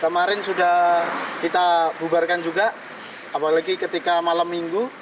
kemarin sudah kita bubarkan juga apalagi ketika malam minggu